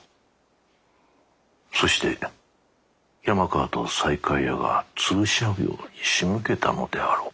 そして山川と西海屋が潰し合うようにしむけたのであろう。